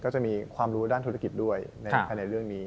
จะมีความรู้ด้านธุรกิจด้วยภายในเรื่องนี้